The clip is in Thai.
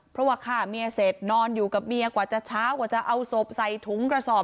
เพราะว่าฆ่าเมียเสร็จนอนอยู่กับเมียกว่าจะเช้ากว่าจะเอาศพใส่ถุงกระสอบ